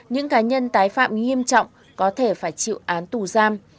những cá nhân tái phạm nghiêm trọng có thể phải chịu án tù giam